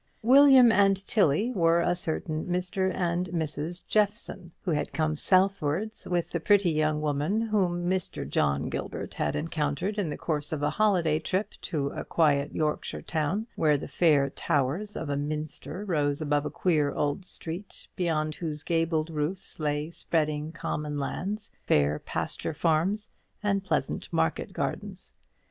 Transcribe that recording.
William and Tilly were a certain Mr. and Mrs. Jeffson, who had come southwards with the pretty young woman whom Mr. John Gilbert had encountered in the course of a holiday trip to a quiet Yorkshire town, where the fair towers of a minster rose above a queer old street, beyond whose gabled roofs lay spreading common lands, fair pasture farms, and pleasant market gardens.